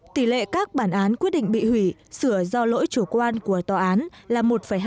tỷ lệ các bản án quyết định bị hủy sửa do lỗi chủ quan của tòa án là một hai